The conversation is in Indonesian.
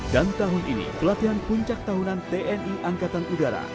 dan tahun ini pelatihan puncak tahunan tni angkatan udara